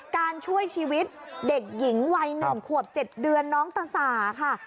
การช่วยชีวิตเด็กหญิงวัย๑ขวบ๗เดือนน้องตะสาค่ะ